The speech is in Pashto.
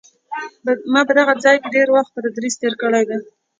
ما په دغه ځای کې ډېر وخت په تدریس تېر کړی دی.